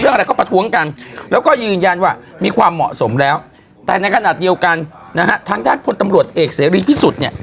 อะไรก็ประท้วงกันแล้วก็ยืนยันว่ามีความเหมาะสมแล้วแต่ในขณะเดียวกันนะฮะทางด้านพลตำรวจเอกเสรีพิสุทธิ์เนี่ย